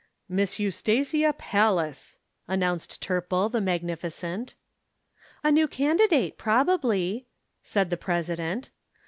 "Miss Eustasia Pallas," announced Turple the magnificent. "A new candidate, probably," said the President.